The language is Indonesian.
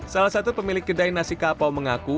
salah satu pemilik kedai nasi kapau mengaku